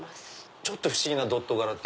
ちょっと不思議なドット柄。